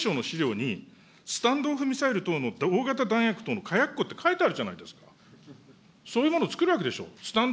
この防衛省の資料にスタンド・オフ・ミサイル等の大型弾薬等の火薬庫って書いてあるじゃないですか。